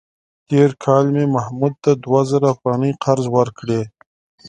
تېر کال مې محمود ته دوه زره افغانۍ قرض ورکړې.